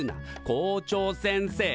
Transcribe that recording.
校長先生！